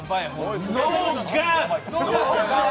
ノーガード。